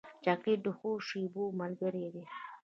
چاکلېټ د ښو شېبو ملګری دی.